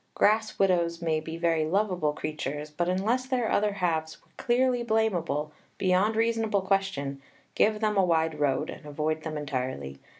Grass widows may be very lovable creatures, but unless their other halves were clearly blamable, beyond reasonable question, give them a wide road and avoid them entirely.